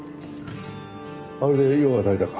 あれで用は足りたか？